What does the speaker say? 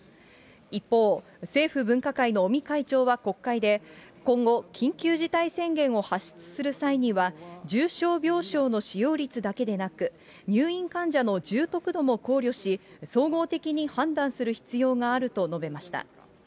一方、政府分科会の尾身会長は国会で、今後、緊急事態宣言を発出する際には、重症病床の使用率だけでなく、入院患者の重篤度も考慮し、総合的に判断する必要があると述べました。